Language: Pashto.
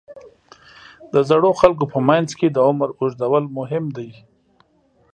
د زړو خلکو په منځ کې د عمر اوږدول مهم دي.